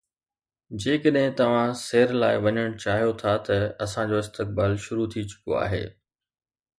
جيڪڏهن توهان سير لاءِ وڃڻ چاهيو ٿا ته اسان جو استقبال شروع ٿي چڪو آهي